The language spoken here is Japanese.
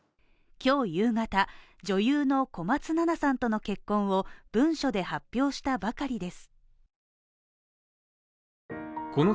今日夕方、女優の小松菜奈さんとの結婚を文書で発表したばかりです。